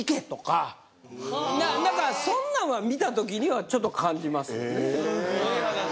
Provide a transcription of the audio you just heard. そんなんは見た時にはちょっと感じます。